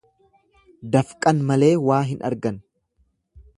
Dafqan malee waa hin argan.